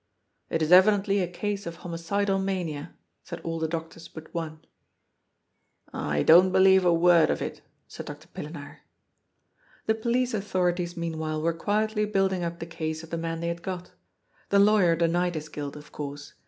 ^' It is evidently a case of homicidal mania," said all the doctors but one. *' I don't believe a word of it," said Dr. Pillenaar. The police authorities meanwhile were quietly building up the case of the man they had got The lawyer denied his guilt, of course.